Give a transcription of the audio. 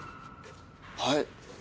はい。